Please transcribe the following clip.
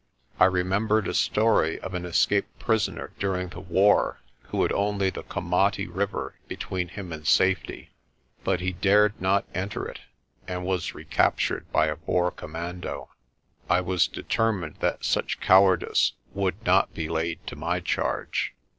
I remembered a story of an escaped prisoner during the war who had only the Komati River between him and safety. But he dared not enter it, and was recaptured by a Boer commando. I was determined that such cowardice would not be laid to my charge.